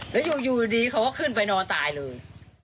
แล้วอยู่ดีเขาก็ขึ้นไปนอนตายเลย